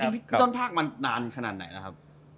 พี่ต้นพากมันนานขนาดไหนนะครับ